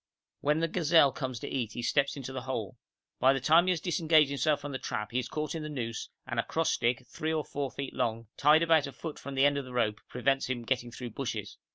When the gazelle comes to eat he steps into the hole. By the time he has disengaged himself from the trap he is caught in the noose, and a cross stick, 3 or 4 feet long, tied about a foot from the end of the rope, prevents him getting through bushes.